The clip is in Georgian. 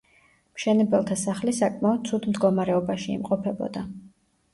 მშენებელთა სახლი საკმაოდ ცუდ მდგომარეობაში იმყოფებოდა.